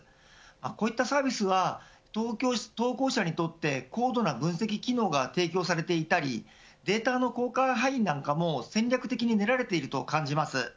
こういったサービスは投稿者にとって高度な分析機能が提供されていたりデータの公開範囲なんかも戦略的に練られていると感じます。